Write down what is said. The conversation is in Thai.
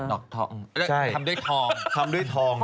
ดอกทองทำด้วยทอง